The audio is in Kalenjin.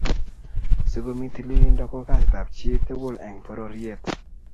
sokomii tililindo ko kasit ab chi tugul eng pororiet.